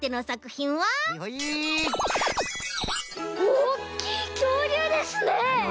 おっきいきょうりゅうですね！